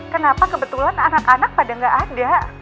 kenapa kebetulan anak anak pada nggak ada